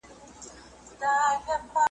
نو زه د هغوی د نومونو له ذکرولو څخه ډډه کوم